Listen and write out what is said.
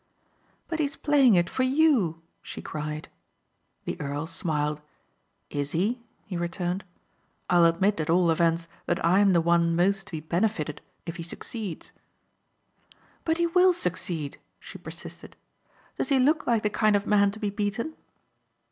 "But he's playing it for you," she cried. The earl smiled. "Is he?" he returned, "I'll admit at all events that I am the one most to be benefited if he succeeds." "But he will succeed," she persisted. "Does he look like the kind of man to be beaten?"